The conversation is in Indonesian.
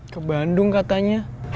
ke bandung katanya